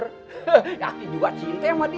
hehehehe aki juga cinta sama dia